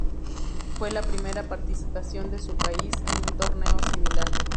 Fue la primera participación de su país en un torneo similar.